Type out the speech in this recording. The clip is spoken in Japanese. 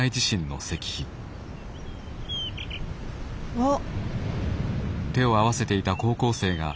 あっ。